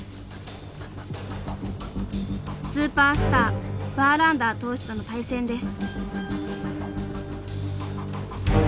スーパースターバーランダー投手との対戦です。